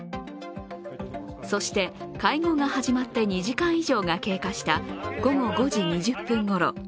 そして会合が始まって２時間以上が経過した午後５時２０分ごろ。